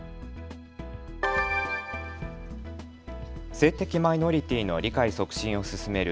性的マイノリティーの理解促進を進める